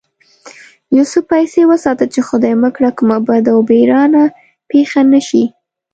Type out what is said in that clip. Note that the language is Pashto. يو څه پيسې وساته چې خدای مکړه کومه بده و بېرانه پېښه نه شي.